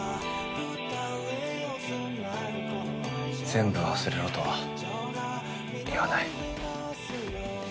全部忘れろとは言わない。